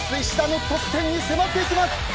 石田の得点に迫っていきます。